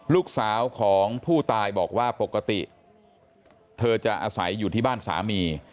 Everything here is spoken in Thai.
ลูกสาวของผู้ตายบอกว่าปกติเธอจะอาศัยอยู่ที่บ้านสามี